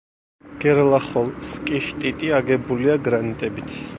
გერლახოვსკი-შტიტი აგებულია გრანიტებით.